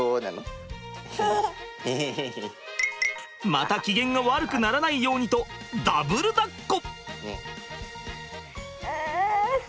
また機嫌が悪くならないようにとダブルだっこ！